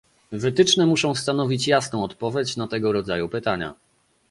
Wytyczne muszą stanowić jasną odpowiedź na tego rodzaju pytania